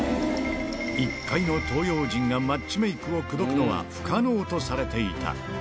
一介の東洋人がマッチメイクを口説くのは不可能とされていた。